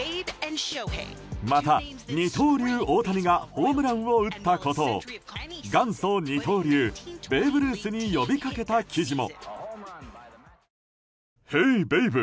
また、二刀流・大谷がホームランを打ったことを元祖二刀流、ベーブ・ルースに呼びかけた記事も。